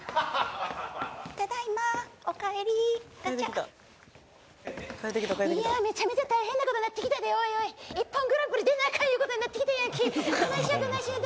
ただいまお帰りガチャッいやメチャメチャ大変なことなってきたでおいおい「ＩＰＰＯＮグランプリ」出なあかんいうことになってきたやんけどないしようどないしよう